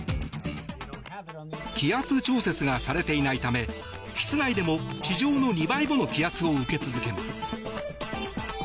気圧調節がされていないため室内でも、地上の２倍もの気圧を受け続けます。